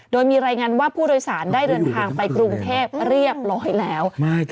โดยมีรายงานว่าผู้โดยสารได้เดินทางไปกรุงเทพเรียบร้อยแล้ว